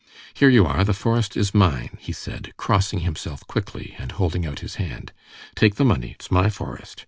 "Here you are, the forest is mine," he said, crossing himself quickly, and holding out his hand. "Take the money; it's my forest.